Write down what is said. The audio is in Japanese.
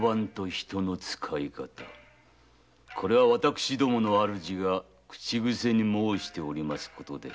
これは私どもの主が口癖に申しておりますことです。